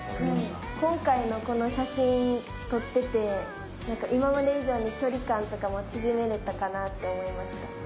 今回のこの写真撮っててなんか今まで以上に距離感とかも縮められたかなって思いました。